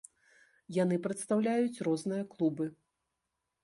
Яны прадстаўляюць розныя клубы.